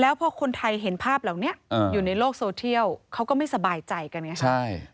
แล้วพอคนไทยเห็นภาพเหล่านี้อยู่ในโลกโซเทียลเขาก็ไม่สบายใจกันไง